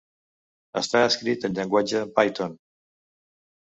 Està escrit en llenguatge Python.